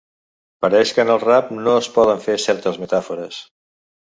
Pareix que en el rap no es poden fer certes metàfores.